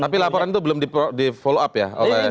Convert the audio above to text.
tapi laporan itu belum di follow up ya oleh